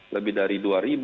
lebih dari dua